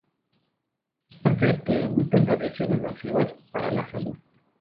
Sustancias que emiten radiaciones nocivas para la salud.